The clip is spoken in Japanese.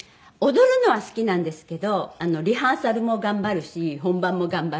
踊るのは好きなんですけどリハーサルも頑張るし本番も頑張るし。